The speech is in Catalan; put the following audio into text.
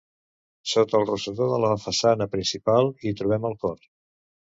Sota del rosetó de la façana principal hi trobem el cor.